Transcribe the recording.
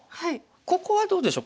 ここはどうでしょう。